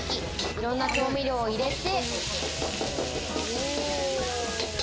いろんな調味料を入れて。